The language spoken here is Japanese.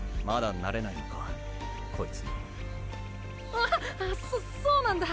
あっそっそうなんだ。